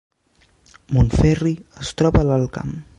Montferri es troba a l’Alt Camp